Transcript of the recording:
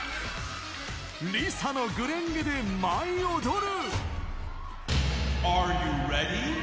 ＬｉＳＡの紅蓮華で舞い踊る。